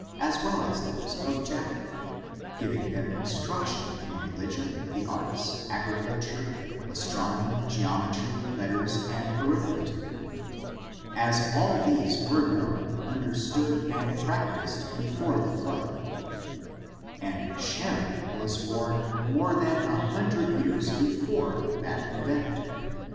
as well as those of Japheth, giving them instruction in religion, the arts, agriculture, astronomy, geometry, letters, and arithmetic ; as all these were known, un* derstood, and practiced, before the flood ; and Shem was bom more than a hundred years before that event.